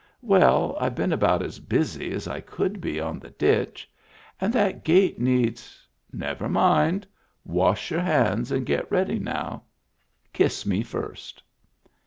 "Well, I've been about as busy as I could be on the ditch ; and that gate needs —" "Never mind. Wash your hands and get ready now. Kiss me first."